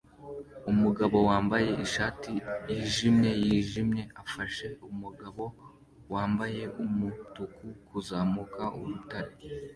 Umugabo wambaye ishati yijimye yijimye afasha umugabo wambaye umutuku kuzamuka urutare